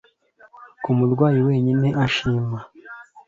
ko umurwayi wenyine ashima